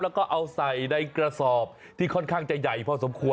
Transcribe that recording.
แล้วก็เอาใส่ในกระสอบที่ค่อนข้างจะใหญ่พอสมควร